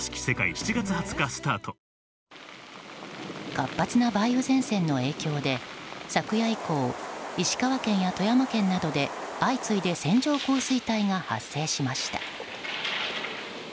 活発な梅雨前線の影響で昨夜以降石川県や富山県などで相次いで線状降水帯が発生しました。